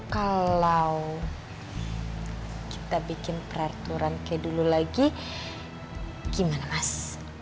kalau kita bikin peraturan kayak dulu lagi gimana mas